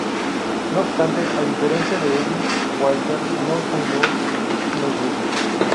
No obstante, a diferencia de Eddy Walter no fundó una iglesia.